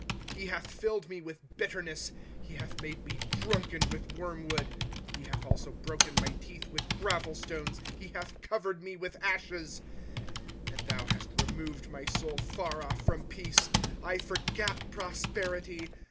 25:003:015 He hath filled me with bitterness, he hath made me drunken with wormwood. 25:003:016 He hath also broken my teeth with gravel stones, he hath covered me with ashes. 25:003:017 And thou hast removed my soul far off from peace: I forgat prosperity.